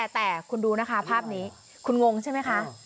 แต่คุณดูนะคะภาพนี้คุณงงใช่ไหมคะ